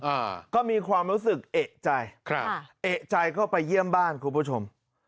อ่าก็มีความรู้สึกเอกใจครับเอกใจเข้าไปเยี่ยมบ้านคุณผู้ชม